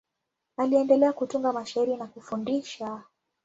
Aliendelea kutunga mashairi na kufundisha.